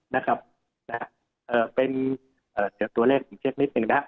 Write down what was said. นะครับเอ่อเป็นเอ่อเดี๋ยวตัวเลขเป็นเขตนิดหนึ่งนะครับ